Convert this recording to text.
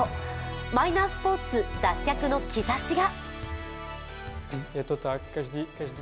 マイナースポーツ脱却の兆しが。